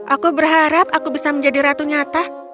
aku berharap aku bisa menjadi ratu nyata